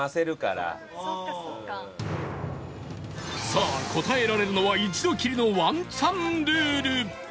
さあ答えられるのは一度きりのワンチャンルール